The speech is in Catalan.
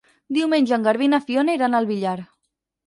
Diumenge en Garbí i na Fiona iran al Villar.